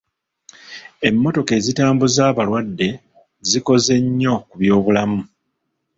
Emmotoka ezitambuza abalwadde zikoze nnyo ku by'obulamu.